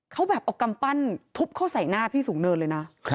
เขาแบบเอากำปั้นทุบเข้าใส่หน้าพี่สูงเนินเลยนะ